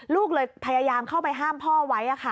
ลูกเลยพยายามเข้าไปห้ามพ่อไว้